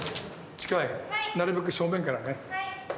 なるべく正面からね。